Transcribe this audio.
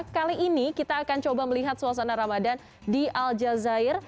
kali ini kita akan coba melihat suasana ramadan di al jazair